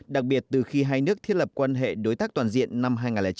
đặc biệt từ khi hai nước thiết lập quan hệ đối tác toàn diện năm hai nghìn chín